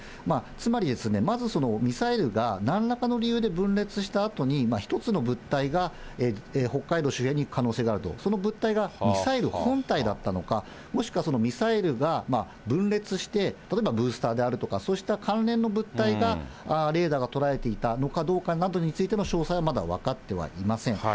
つまり、まずそのミサイルがなんらかの理由で分裂したあとに、１つの物体が北海道周辺に行く可能性があると、その物体がミサイル本体だったのか、もしくはそのミサイルが分裂して、例えばブースターであるとか、そうした関連の物体が、レーダーが捉えているのかどうかなどについても詳細はまだ分かってはいません。